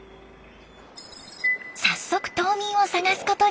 早速島民を探すことに。